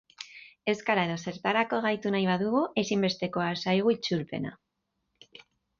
Euskara edozertarako gaitu nahi badugu, ezinbestekoa zaigu itzulpena.